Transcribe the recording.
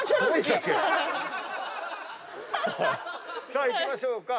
さあいきましょうか。